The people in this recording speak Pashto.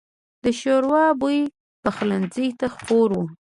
د شوربه بوی پخلنځي ته خپور و.